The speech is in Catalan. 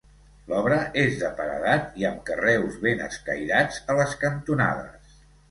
L'obra és de paredat i amb carreus ben escairats a les cantonades.